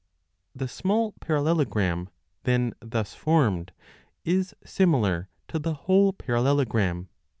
The small parallelogram then thus formed is similar to the 30 whole parallelogram.